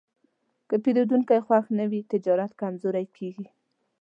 که پیرودونکی خوښ نه وي، تجارت کمزوری کېږي.